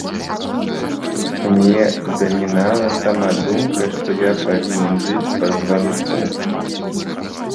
Мне замінала сама думка, што я павінен жыць па званку.